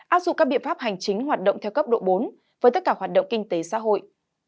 áp dụng các biện pháp hành chính hoạt động theo cấp độ bốn với tất cả hoạt động kinh tế xã hội